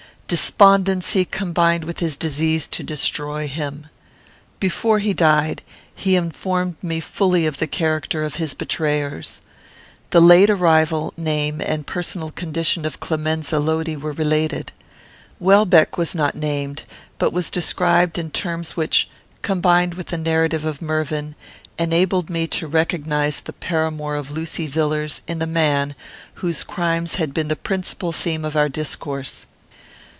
Despondency combined with his disease to destroy him. Before he died, he informed me fully of the character of his betrayers. The late arrival, name, and personal condition of Clemenza Lodi were related. Welbeck was not named, but was described in terms which, combined with the narrative of Mervyn, enabled me to recognise the paramour of Lucy Villars in the man whose crimes had been the principal theme of our discourse.